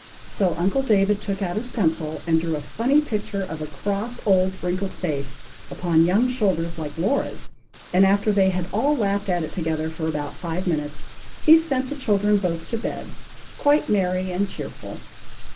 So uncle David took out his pencil, and drew a funny picture of a cross old wrinkled face upon young shoulders, like Laura's, and after they had all laughed at it together for about five minutes, he sent the children both to bed, quite merry and cheerful.